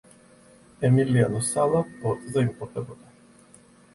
ემილიანო სალა ბორტზე იმყოფებოდა.